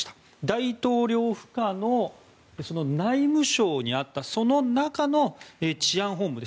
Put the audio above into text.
大統領府下のその内務省にあったその中の治安本部。